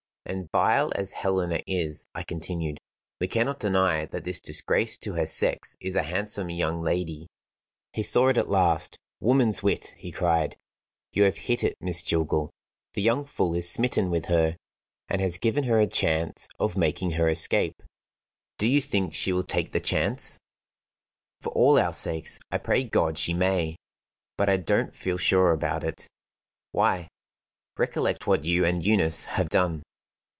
"And vile as Helena is," I continued, "we cannot deny that this disgrace to her sex is a handsome young lady." He saw it at last. "Woman's wit!" he cried. "You have hit it, Miss Jillgall. The young fool is smitten with her, and has given her a chance of making her escape." "Do you think she will take the chance?" "For all our sakes, I pray God she may! But I don't feel sure about it." "Why?" "Recollect what you and Eunice have done.